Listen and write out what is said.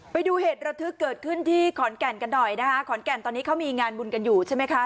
ไปดูเหตุระทึกเกิดขึ้นที่ขอนแก่นกันหน่อยนะคะขอนแก่นตอนนี้เขามีงานบุญกันอยู่ใช่ไหมคะ